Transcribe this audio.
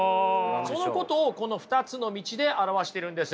そのことをこの２つの道で表しているんです。